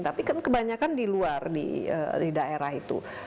tapi kan kebanyakan di luar di daerah itu